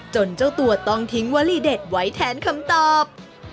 เจ้าตัวต้องทิ้งวลีเด็ดไว้แทนคำตอบ